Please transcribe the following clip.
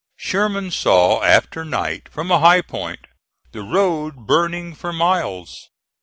Sherman saw after night, from a high point, the road burning for miles.